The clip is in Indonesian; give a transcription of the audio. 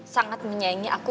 sangat menyayangi aku